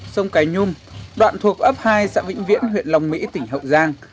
sông cái nhung đoạn thuộc ấp hai dạng vĩnh viễn huyện lòng mỹ tỉnh hậu giang